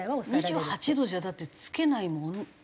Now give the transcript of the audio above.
２８度じゃだってつけないも同じ。